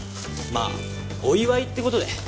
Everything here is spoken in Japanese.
まあお祝いって事で。